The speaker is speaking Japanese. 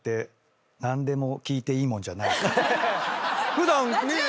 普段ねえ！